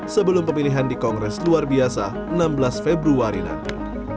sebelum pemilihan di kongres luar biasa enam belas februari nanti